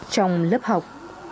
trong lớp học